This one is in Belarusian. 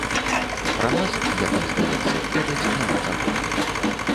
Пра нас, як ім здаецца, ведаць няма чаго.